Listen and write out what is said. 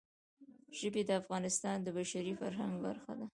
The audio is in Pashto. ژبې د افغانستان د بشري فرهنګ برخه ده.